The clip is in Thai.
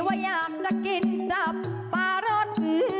ว่าอยากจะกินสับปะรด